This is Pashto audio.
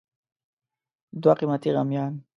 دوه قیمتي غمیان